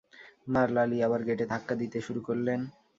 মারলা লি আবার গেটে ধাক্কা দিতে শুরু করলেন।